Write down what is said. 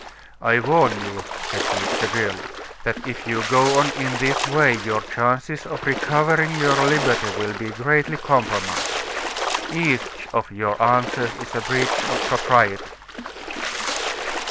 "I warn you," said he, severely, "that if you go on in this way your chances of recovering your liberty will be greatly compromised. Each of your answers is a breach of propriety."